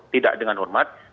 tidak dengan hormat